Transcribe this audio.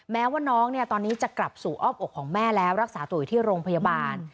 แม้ว่าน้องเนี่ยตอนนี้จะกลับสู่อ้อมอกของแม่แล้วรักษาตัวอยู่ที่โรงพยาบาล